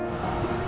gak usah deh